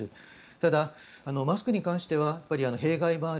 ただ、マスクに関しては弊害はある。